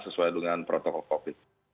sesuai dengan protokol covid sembilan belas